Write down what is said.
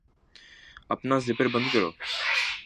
اپنا زپر بند کرو